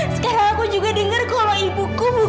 sekarang aku juga denger kalau ibu ku